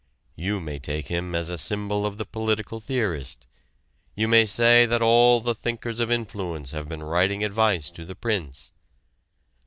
You may take him as a symbol of the political theorist. You may say that all the thinkers of influence have been writing advice to the Prince.